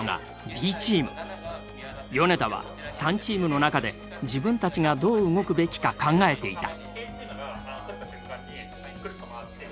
米田は３チームの中で自分たちがどう動くべきか考えていた。